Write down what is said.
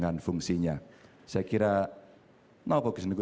dan juga pemerintahan sesuai dengan fungsinya